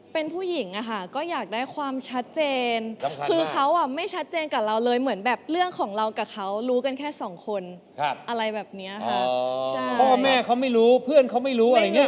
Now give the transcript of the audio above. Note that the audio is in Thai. เพราะว่าวันนี้คุณมีเพื่อนซีดสองคนอยู่ตรงนั้น